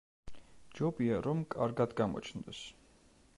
ჯობია, რომ კარგად გამოჩნდეს.